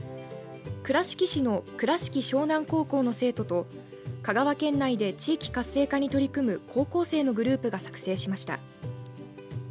倉敷市の倉敷翔南高校の生徒と香川県内で地域活性化に取り組む高校生のグループが作成しました。